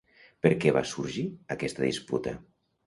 Per què va sorgir aquesta disputa?